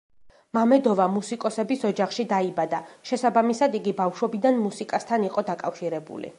მამედოვა მუსიკოსების ოჯახში დაიბადა, შესაბამისად იგი ბავშვობიდან მუსიკასთან იყო დაკავშირებული.